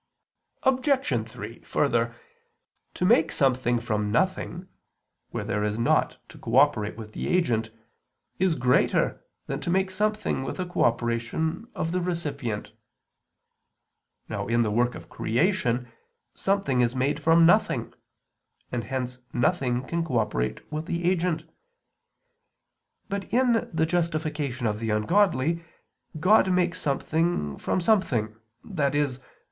Obj. 3: Further, to make something from nothing, where there is nought to cooperate with the agent, is greater than to make something with the cooperation of the recipient. Now in the work of creation something is made from nothing, and hence nothing can cooperate with the agent; but in the justification of the ungodly God makes something from something, i.e.